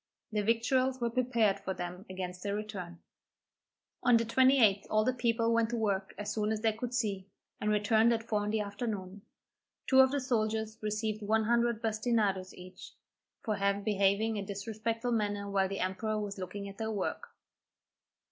Their victuals were prepared for them against their return. On the 28th all the people went to work as soon as they could see, and returned at four in the afternoon. Two of the soldiers received one hundred bastinadoes each, for behaving in a disrespectful manner while the emperor was looking at their work.